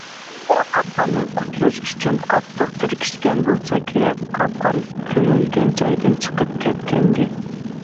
بۆرە قاپقاندىن قۇتۇلۇش ئۈچۈن قاتتىق تىركەشكەن بولسا كېرەك، قاپقان كۆمۈلگەن جايىدىن چىقىپ كەتكەنىدى.